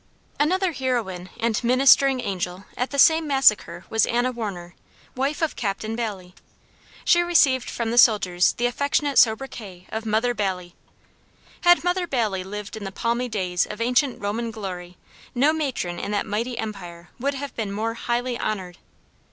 Another "heroine and ministering angel" at the same massacre was Anna Warner, wife of Captain Bailey. She received from the soldiers the affectionate sobriquet of "Mother Bailey." Had "Mother Bailey" lived in the palmy days of ancient Roman glory no matron in that mighty empire would have been more highly honored.